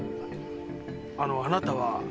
あのあなたは？